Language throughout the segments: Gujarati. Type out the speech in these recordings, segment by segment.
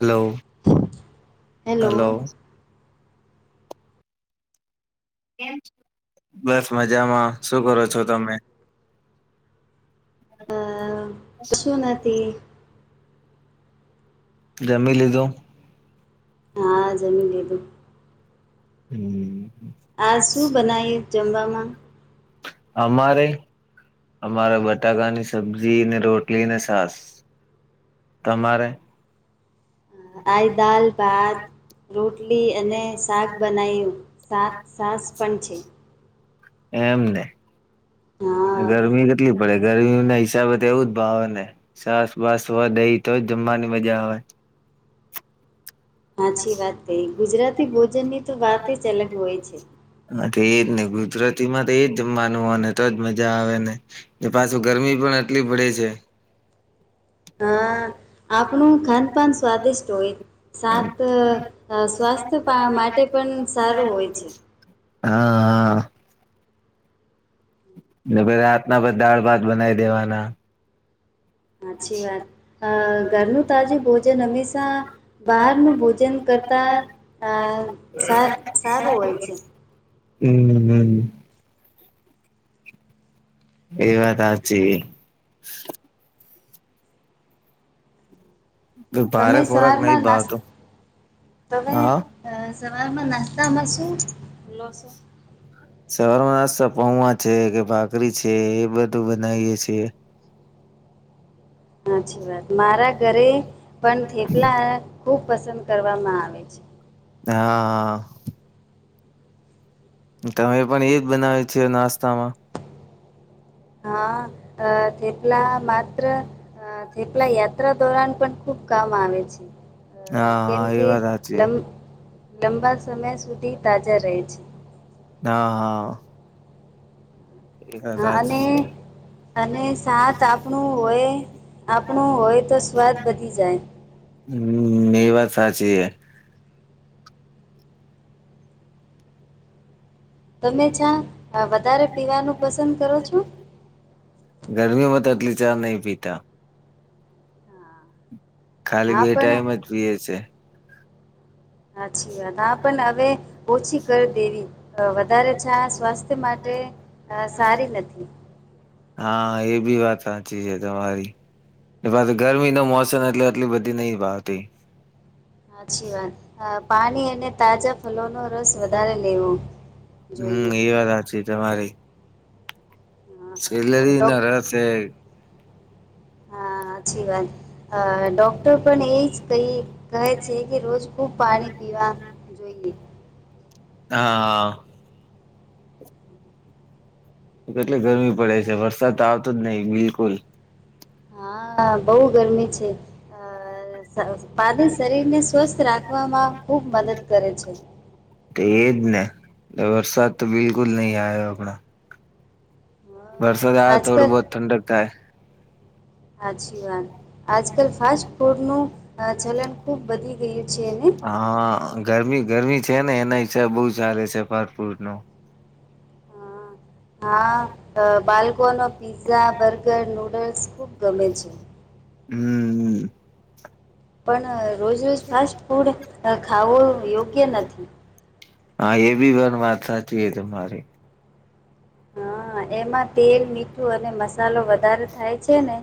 હલો હલો હેલો [inaudible] બસ મજામાં શું કરો છો તમે? [inaudible] શું નથી જમી લીધું હા જમી લીધું હમ આ શું બનાય જમવામાં અમારે અમારે બટાકાની સબ્જી ને રોટલી ને સાસ તમારે આ દાલ ભાત રોટલી અને શાક બનાયવું તાક છાસ પણ છે એમને છે હા [unintelligible] કેટલી પડે ગરમી ના હિસાબે તો એવું જ ભાવે ને સાસ વાસ હોય દહી તો જ જમવાની મજા આવે હાચી વાત કહીં ગુજરાતી ભોજન ની તો વાત જ અલગ હોય છે હા તો એજ ને ગુજરાતી માં તો એ જ માનવું અને તોજ મજા આવે ને એ પાછું ગરમી પણ એટલી પડે છે હા આપણું ખાનપાન સ્વાદિષ્ટ હોય હા સાત સ્વાસ્થ્ય માટે પણ સારું હોય છે હા ને પી રાતના બધ દાળ ભાત બનાવી દેવાના હાચી વાત અ ઘરનું તાજું ભોજન હંમેશા બહારનું ભોજન કરતા આ સારું હોય છે હમ હમ એ વાત હાચી ભારે તમે ખોરાક નહી સવારમાં ભાવતો નાસ્તો તમે હા અ સવારમાં નાસ્તામાં શું [inaudible] સવારમાં નાસ્તા પૌવા છે કે ભાખરી છે એ બધું બનાવીએ છીએ. હાચી વાત મારા ઘરે પણ થેપલા ખૂબ પસંદ કરવામાં આવે છે. હા. તમે પણ એજ બનાવે છે નાસ્તામાં? હા અ થેપલા માત્ર અ થેપલા યા યાત્રા દોરાન પણ ખુબ કામ આવે છે. અ હા કેમ હા એ કે વાત સાચી લંબ લંબા સમય સુધી તાજા રહે છે. હા હા. પણ હા અને સાચી છે. અને સાથ આપણું હોય આપણું હોય તો સ્વાદ વધી જાય. હમ્મ એ વાત સાચી હે. તમે ચા વધારે પીવાનું પસંદ કરો છો? ગરમીમાં તો આતલી ચા નય પીતા. ખાલી હા બે પણ ટાઈમ જ પીએ છે. હાછી વાત. હા પણ હવે ઓછી કર દેવી. તો વધારે છાશ સ્વાસ્થ્ય માટે અ સારી નથી. હા એ બી વાત સાચી છે તમારી. એ પાસે ગરમીનો મોસમ એટલે એટલી બધી નહિ ભાવતી. હાચી વાત. પાણી અને તાજા ફલોનો રસ વધારે લેવો. હમ્મ જોઈએ એ વાત હાચી તમારી. અ, અ, સેલ્લરી ડોક ના રસ હે. હા હાછી વાત. અ ડોક્ટર પણ એ જ કહી કહે છે કે રોજ ખુબ પાણી પીવા જોઈએ. હા હા. કેટલી ગરમી પડે છે. વરસાદ તો આવતો જ નહી બિલકુલ. હા બહુ ગરમી છે. અ સ પાની શરીરને સ્વસ્થ રાખવામાં ખૂબ મદદ કરે છે. તો એજ ને વરસાદ તો બિલકુલ નહી આયો હમણાં. હા, વરસાદ આવે થોડું આજકાલ બોહત ઠંડક થાય. હાછી વાત. આજકાલ ફાસ્ટ ફૂડનું અ ચલન ખૂબ વધી ગયું છે ને? હા ગરમી ગરમી છેને એના હિસાબે બહુ ચાલે છે ફાસફુડનું. હા હા બાલકોનો પિઝ્ઝા, બર્ગર, નૂડલ્સ ખૂબ ગમે છે. હમ્મ. પણ રોજરોજ ફાસ્ટફૂડ ખાવો અ યોગ્ય નથી. હા એબી વર વાત સાચી હે તમારી. હા એમાં તેલ, મીઠું અને મસાલો વધારે થાય છે ને.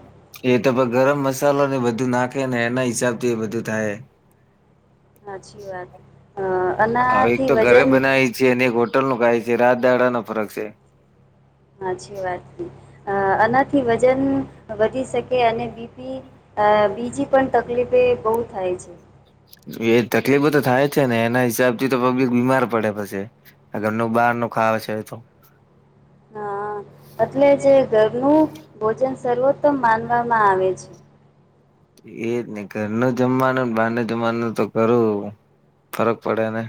એ તો પર ગરમ મસાલોને બધું નાખેને એનાં હિસાબથી એ બધું થાય. હાચી વાત. અ હ એક આનાથી તો ઘરે વજન બનાવી છીએ અને એક હોટલ નું ખાય છે રાતદાડાનો ફરક છે. હાચી વાત છે. અ આનાથી વજન વધી શકે અને બી. પી અ બીજી પણ તકલીફે બહુ થાય છે. એ તકલીફો તો થાય જ છેને એના હિસાબથી તો પબ્લિક બીમાર પડે પછે. આ ઘરનું બહારનું ખાવુ છે એતો. હા એટલે જે ઘરનું ભોજન સર્વોત્તમ માનવામાં આવે છે. એજ ને ઘરનું જમવાનું ને બહારનું જમવાનું તો ઘરું ફરક પડે ને.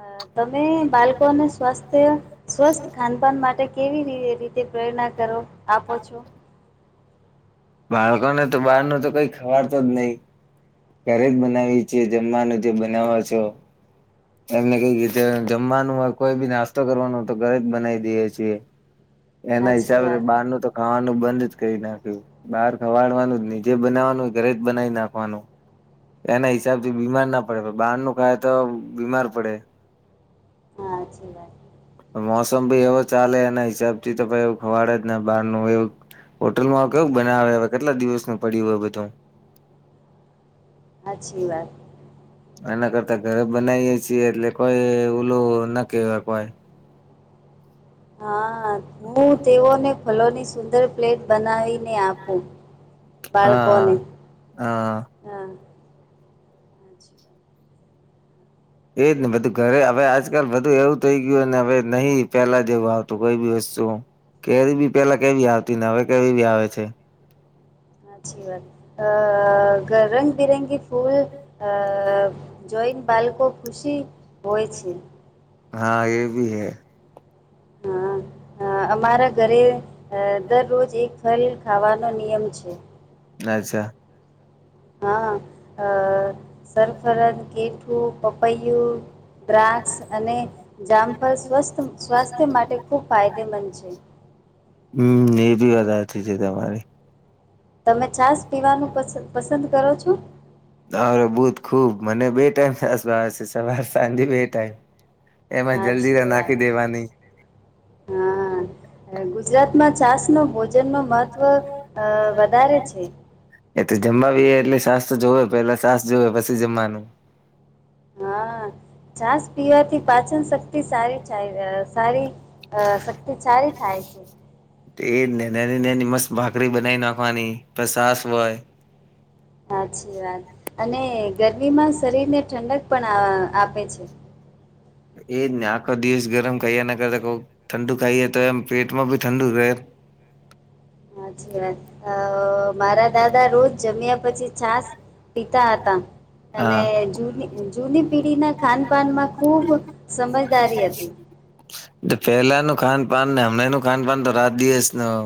અ તમે બાલકોને સ્વાસ્થ્ય સ્વસ્થ ખાનપાન માટે કેવી રીતે પ્રેરણા કરો આપો છો? બાળકોને તો બહારનો તો કંઈ ખવારતો જ નહી. ઘરે જ બનાવીએ છીએ જમવાનું જે બનાવો છો. એમને કઈ જ જમવાનું હોય કોઈ બી નાસ્તો કરવાનું તો ઘરે જ બનાવી દઈએ છીએ. એના સાચી હિસાબે વાત બહારનું તો ખાવાનું બંધ જ કરી નાખ્યું. બહાર ખવાડવાનું ની જે બનાવવાનું ઘરે જ બનાવી નાખવાનું. એના હિસાબથી હા બીમાર ના પડે, પણ બહાર નું ખાયે તો બીમાર પડે. હા હાચી વાત. મોસમ બી એવો ચાલે એના હિસાબ થી તો કાંઈ એવું ખવાડે જ ના બહાર નું એવું. હોટલમાં કેવું બનાવે, હવે કેટલા દિવસનું પડ્યું હોય બધું. હાચી વાત. એના કરતા ઘરે બનાઈએ છીએ એટલે કોઈ ઓલું ના કેવાય કોઈ. હા. હું તેઓને ફૂલોની સુંદર પ્લેટ બનાવીને, આપું હા બાળકોને. હા હા. એજ ને. બધું ઘરે હવે આજકાલ બધું એવું થઈ ગયું ને હવે નહીં પેલા જેવું આવતું કોઈ ભી વસ્તુ. કેરી બી પેલા કેવી આવતી ને હવે કેવી બી આવે છે. હાચી વાત. અહ ગ રંગબેરંગી ફૂલ અહ જોઈન બાલકો ખુશી હોય છે. હા એ ભી હૈ. હા, હા અમારા ઘરે અહ દરરોજ એક ફલ ખાવાનો નિયમ છે. અચ્છા. હા, અહ સરફરન, કૈઠું, પપૈયું દ્રાક્ષ અને જામફળ સ્વસ્થ સ્વાસ્થ્ય માટે ખૂબ ફાયદેમંદ છે. હમ્મ, એ બી વધાર થઈ જાય તમારે. તમે છાશ પીવાનું પસ પસંદ કરો છો? અરે બુધ ખુબ. મને બે ટાઈમ છાશ ભાવે છે, સવાર, સાંજે બે ટાઈમ. એમાં હાચી જલજીરા નાખી વાત, દેવાની હા. અહ ગુજરાતમાં છાસ નો ભોજન નો મહત્ત્વ વધારે છે. એ તો જમવા બેહે એટલે છાસ તો જોવે, પેલા સાસ જોવે, પછી જમવાનું. હા છાસ પીવાથી પાચન શક્તિ, સારી થા અહ સારી અહ શક્તિ સારી થાય છે. તો એજ ને. ને એની ને એની મસ્ત ભાખરી બનાવઈ નાખવાની તો સાસ હોય. હાચી વાત. અને ગરમીમાં શરીરને ઠંડક પણ આ આપે છે. એજ ને. આખો દિવસ ગરમ ખાઈ એના કરતા ક ઠંડુ ખાઈએ તો એમ પેટમાં ભી ઠંડુ રહે. હાચી વાત. અહ મારા દાદા રોજ જમ્યા પછી છાસ પીતા હતા. અને હા જૂની-જૂની પીઢીના ખાનપાનમાં ખુબ સમજદારી હતી. પેલાનું ખાન પાાન ને હમણૂ નું ખાન પાાન તો રાત દિવસ નું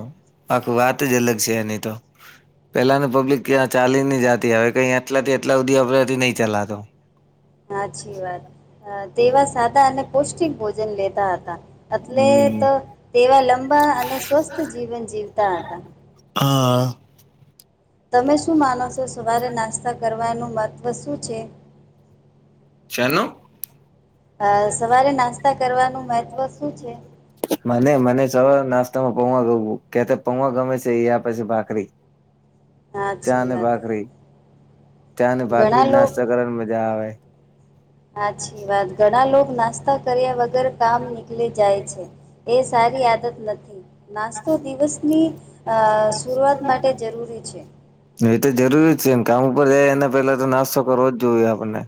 આખું વાત જ અલગ છે એની તો. પેલાના પબ્લિક ક્યાં ચાલી ને જાતી, હવે કઈ આટલાથી આટલા હુધી આપણાથી નહીં ચલાતું. હાચી વાત. અહ તેવા સાદા અને પૌષ્ટિક ભોજન લેતા હતા. એટલે હમ તો તેવા લંબા અને સ્વસ્થ જીવન જીવતા હતા. હા. તમે શું માનો સો? સવારે નાસ્તા કરવાનું મહત્વ શું છે? ચેનો? અહ સવારે નાસ્તા કરવાનું મહત્ત્વ શું છે? મને મને ચવારે નાસ્તા માં પૌવા ગમું કે તે પૌવા ગમે છે યા પછી ભાખરી. ચા હાચી અને વાત. ભાખરી. ચા અને ભાખરી ઘણા લોક નાસ્તા કરવાની મજા આવે. હાચી વાત. ઘણા લોકો નાસ્તા કર્યા વગર કામ નીકલી જાય છે. એ સારી આદત નથી. નાસ્તો દિવસની અહ શુરૂઆત માટે જરૂરી છે. એ તો જરૂરી જ છે. ને કામ ઉપર જાય એના પેલા તો નાસ્તો કરવો જ જોઈએ આપણને.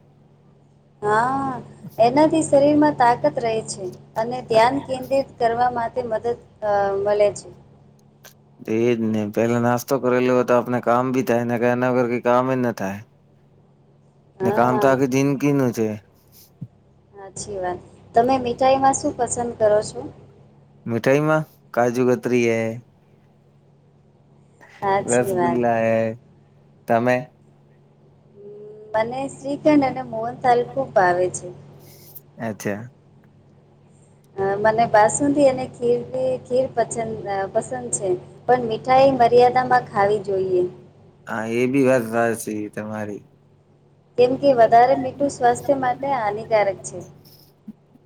હા. એનાથી શરીરમાં તાકત રહે છે. અને ધ્યાન કેન્દ્રિત કરવા માટે મદદ અહ મલે છે. એજ ને પેલા નાસ્તો કરેલો હોય તો આપને કામ ભી થાયને એના કરર કામ જ ના થાય [inaudible] ને કામ હા તો આખી જિંદગીનું છે હાચી વાત તમે મીઠાઈમાં શું પસંદ કરો છો મીઠાઈ માં કાજુ કતરી હ સાચી વાત ઉમ, રસગુલ્લા એ તમે મને શ્રીખંડ અને મોહનતાાલ ખુબ ભાવે છે અચ્છા અ મને બાસુંદી અને ખીરની ખીર પંચ પસંદ છે પણ મીઠાઈ મર્યાદામાં ખાવી જોઈએ હા એ બી વાત હાચી તમારી કેમ કે વધારે મીઠું સ્વાસ્થ્ય માટે હાનિકારક છે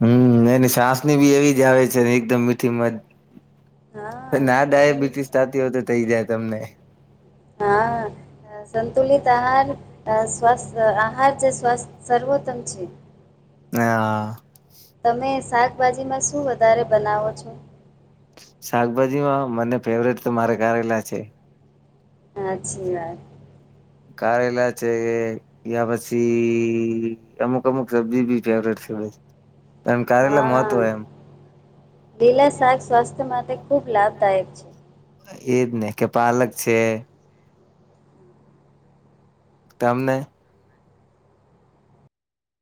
હમ્મ એની સાસની બી એવી જ આવે છે એકદમ મીઠી મધ હા ના કેમ ડાયાબિટીસ થતી હોય તો થઈ જાય તમને હા સંતુલિત આહાર અ સ્વાસ્થ આહાર જે સ્વાસ્થ સર્વોત્તમ છે હા તમે શાકભાજીમાં શું વધારે બનાવો છો શાકભાજી માં મને ફેવરેટ તો મારે કારેલા છે હાછી વાત કરેલા છેે એ યા પછી અમુક અમુક સબ્જી બી ફેવરેટ છે ભ હા લીલા શાક સ્વાસ્થ્ય માટે ખુબ લાભદાયક છે એજ ને કે પાલક છે તેમને